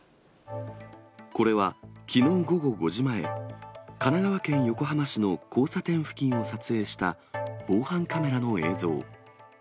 これはきのう午後５時前、神奈川県横浜市の交差点付近を撮影した防犯カメラの映像。